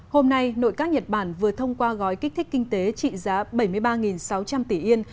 hôm nay nội các nhật bản vừa thông qua gói kích thích kinh tế trị giá bảy mươi ba sáu trăm linh tỷ yên